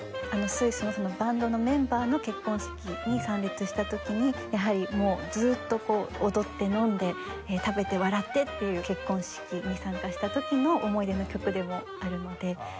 スイスのバンドのメンバーの結婚式に参列した時にやはりもうずっと踊って飲んで食べて笑ってっていう結婚式に参加した時の思い出の曲でもあるので。